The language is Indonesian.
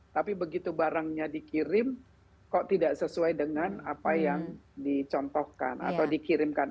tapi begitu barangnya dikirim kok tidak sesuai dengan apa yang dicontohkan atau dikirimkan